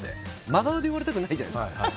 真顔で言われたくないじゃないですか。